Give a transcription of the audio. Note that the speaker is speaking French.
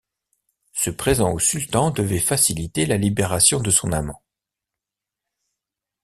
Ce présent au sultan devait faciliter la libération de son amant.